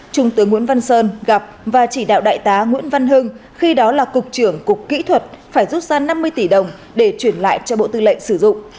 trung tướng nguyễn văn sơn gặp và chỉ đạo đại tá nguyễn văn hưng khi đó là cục trưởng cục kỹ thuật phải rút ra năm mươi tỷ đồng để chuyển lại cho bộ tư lệnh sử dụng